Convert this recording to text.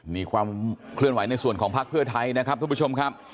มีความเคลื่อนไหวในส่วนของพักเผื่อไทท์ท่านผู้ชมครับ